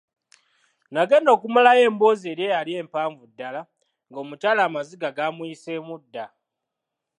Nagenda okumalayo emboozi eri eyali empavu ddala ng'omukyala amaziga gaamuyiseemu dda.